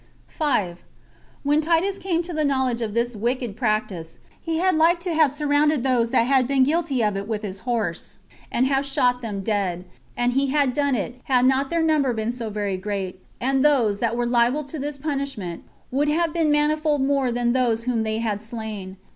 5. When Titus came to the knowledge of this wicked practice, he had like to have surrounded those that had been guilty of it with his horse, and have shot them dead; and he had done it, had not their number been so very great, and those that were liable to this punishment would have been manifold more than those whom they had slain.